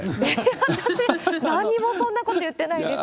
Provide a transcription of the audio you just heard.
私、なんにもそんなこと言ってないですよ。